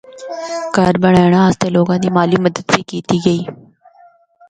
کہر بڑینڑا اسطے لوگاں دی مالی مدد بھی کیتی گئی۔